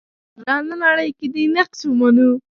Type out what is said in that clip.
مډرنه نړۍ کې دین نقش ومنو.